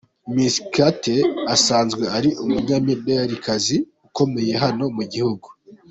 Miss Kate asanzwe ari umunyamiderikazi ukomeye hano mu gihugu.